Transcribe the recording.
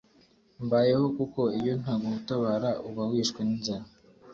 mbayeho kuko iyo ntagutabara uba wishwe ninzara